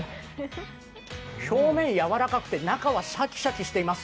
表面やわらかくて中はシャキシャキしています。